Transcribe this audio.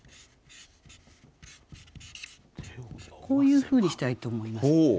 こういうふうにしたらいいと思います。